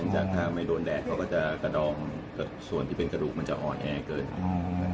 ถ้าไม่โดนแดดเขาก็จะกระดองส่วนที่เป็นกระดูกมันจะอ่อนแอเกิน